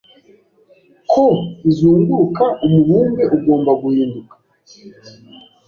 ko izunguruka umubumbe ugomba guhinduka